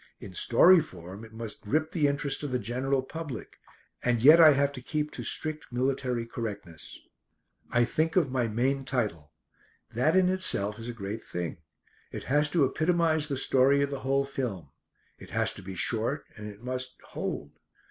In story form it must grip the interest of the general public, and yet I have to keep to strict military correctness. I think of my main title. That in itself is a great thing. It has to epitomise the story of the whole film. It has to be short and it must "hold."